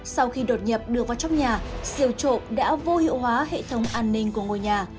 sau khi đột nhập đưa vào trong nhà siêu trộm đã vô hiệu hóa hệ thống an ninh của ngôi nhà